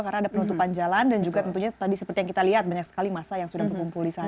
karena ada penutupan jalan dan juga tentunya tadi seperti yang kita lihat banyak sekali massa yang sudah berkumpul di sana